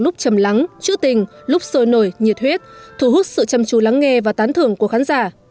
lúc chầm lắng chữ tình lúc sôi nổi nhiệt huyết thu hút sự chăm chú lắng nghe và tán thưởng của khán giả